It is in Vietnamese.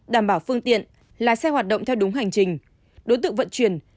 đảm bảo phương tiện là xe hoạt động theo đúng hành trình đối tượng vận chuyển